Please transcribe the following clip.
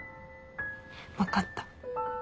分かった。